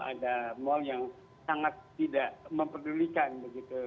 ada mal yang sangat tidak memperdulikan begitu